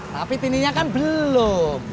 tapi tini nya kan belum